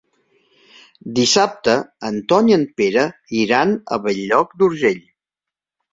Dissabte en Ton i en Pere iran a Bell-lloc d'Urgell.